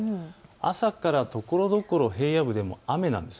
朝からところどころ平野部でも雨なんです。